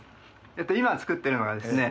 今作ってるのはですね